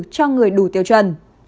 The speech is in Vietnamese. do người đủ tiêu chuẩn